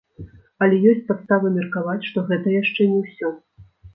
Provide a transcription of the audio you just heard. Але ёсць падставы меркаваць, што гэта яшчэ не ўсё.